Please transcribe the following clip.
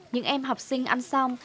những em học sinh ăn xong